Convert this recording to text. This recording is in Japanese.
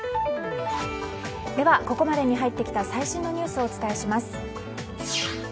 ここまでに入ってきた最新ニュースをお伝えします。